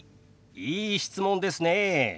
いい質問ですね。